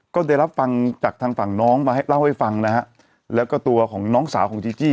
ก็ได้รับฟังจากทางฝั่งน้องมาให้เล่าให้ฟังนะฮะแล้วก็ตัวของน้องสาวของจีจี้